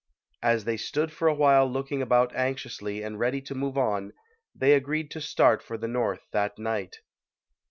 As they stood for a while looking about anxiously and ready to move on, they agreed to start for the North that night.